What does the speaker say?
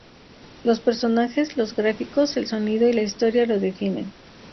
Los personajes, los gráficos, el sonido y la historia lo definen.